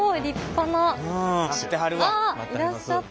いらっしゃった。